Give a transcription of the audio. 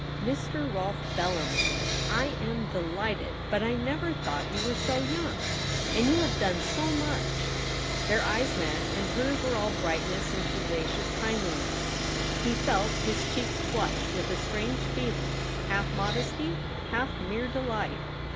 ' Mr. Rolfe Bellarmin ! I am delighted 70 THE REBEL ROSE. but I never thought you were so young — and you have done so much.' Their eyes met, and hers were all bright ness and vivacious kindliness. He felt his cheeks flush with a strancre feeline, half modesty, half mere delight.